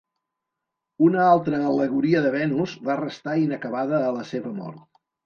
Una altra al·legoria de Venus va restar inacabada a la seva mort.